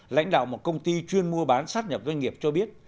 lãnh đạo một công ty chuyên mua bán sát nhập doanh nghiệp cho biết